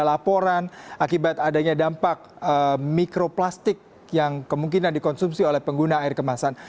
laporan akibat adanya dampak mikroplastik yang kemungkinan dikonsumsi oleh pengguna air kemasan